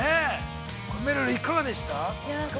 めるる、いかがでしたか。